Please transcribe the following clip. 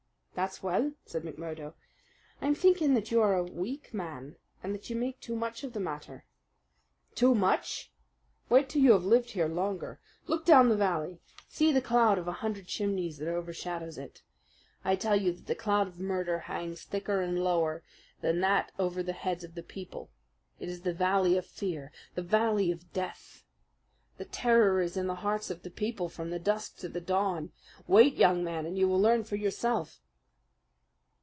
"That's well," said McMurdo. "I'm thinking that you are a weak man and that you make too much of the matter." "Too much! Wait till you have lived here longer. Look down the valley! See the cloud of a hundred chimneys that overshadows it! I tell you that the cloud of murder hangs thicker and lower than that over the heads of the people. It is the Valley of Fear, the Valley of Death. The terror is in the hearts of the people from the dusk to the dawn. Wait, young man, and you will learn for yourself."